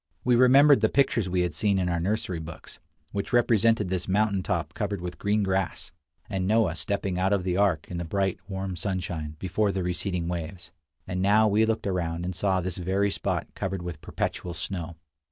We remembered the pictures we had seen in our nursery books, which represented this mountain top covered with green grass, and Noah stepping out of the ark, in the bright, warm sunshine, before the receding waves; and now we looked around and saw this very spot covered with perpetual snow.